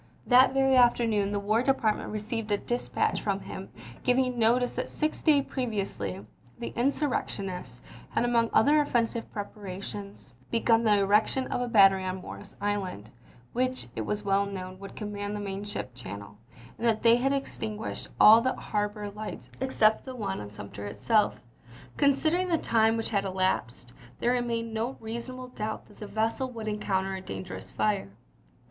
That very afternoon the War Department received a dispatch from him giving notice that six days previously the insurrectionists had among other offensive preparations begun the erection of a battery on Morris Island, which it was well known would command the main ship channel, and that they had extinguished all the harbor lights except the one on Sumter itself. Considering the time which had elapsed, there re mained no reasonable doubt that the vessel would encounter a dangerous fire.